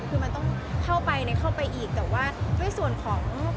แต่อย่างไรมันก็เสียความรู้สึกอ่ะ